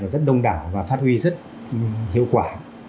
rất đông đảo và phát huy rất hiệu quả